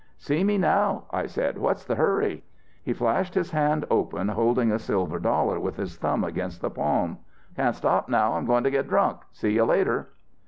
"'See me now,' I said. 'What's the hurry?' "He flashed his hand open, holding a silver dollar with his thumb against the palm. "'Can't stop now, I'm going to get drunk. See you later.'